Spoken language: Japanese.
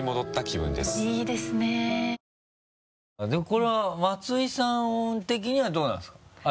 これは松井さん的にはどうなんですか？